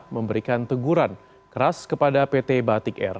memberikan teguran keras kepada pt batik air